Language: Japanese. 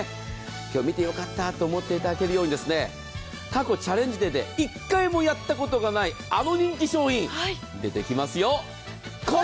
今日、見てよかったと思っていただけるように、過去、チャレンジＤで１回もやったことがないあの人気商品、出てきますよ。